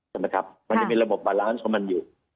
ใช่ไหมครับมันจะมีระบบบาลานซ์ของมันอยู่